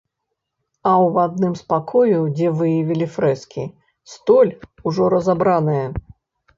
А ў адным з пакояў, дзе выявілі фрэскі, столь ужо разабраная.